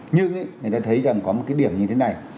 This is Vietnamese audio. nhưng người ta thấy rằng có một cái điểm như thế này